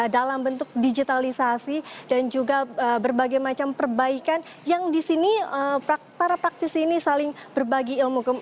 dalam bentuk digitalisasi dan juga berbagai macam perbaikan yang di sini para praktisi ini saling berbagi ilmu